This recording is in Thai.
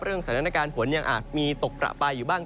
เรื่องสถานการณ์ฝนยังอาจมีตกประไปอยู่บ้าง